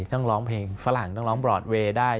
ต้องร้องเพลงฝรั่งต้องร้องบรอดเวย์ได้